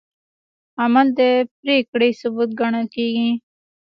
عمل د پرېکړې ثبوت ګڼل کېږي.